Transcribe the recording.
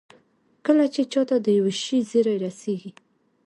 کله چې چا ته د يوه شي زېری رسېږي.